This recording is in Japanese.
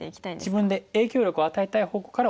自分で影響力を与えたい方向からオサえていくと。